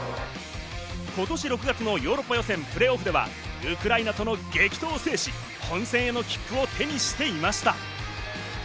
今年６月のヨーロッパ予選プレーオフではウクライナとの激闘を制し、本戦への切符を手にしていました。